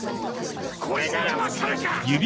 これなら分かるか！？